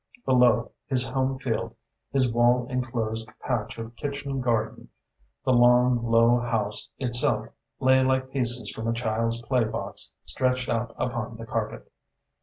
Below, his home field, his wall enclosed patch of kitchen garden, the long, low house itself lay like pieces from a child's play box stretched out upon the carpet.